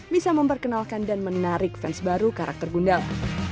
bisa memperkenalkan dan menarik fans baru karakter gundal